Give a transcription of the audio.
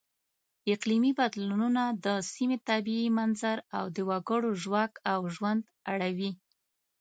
اقلیمي بدلونونه د سیمې طبیعي منظر او د وګړو ژواک او ژوند اړوي.